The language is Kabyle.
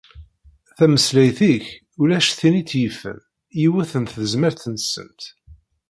Tameslayt-ik ulac tin i tt-yifen, yiwet n tezmert-nsent.